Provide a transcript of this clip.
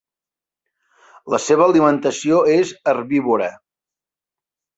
La seva alimentació és herbívora.